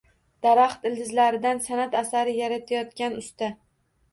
Daraxt ildizlaridan sanʼat asari yaratayotgan usta